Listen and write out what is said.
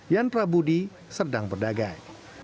yan prabudi serdang berdagai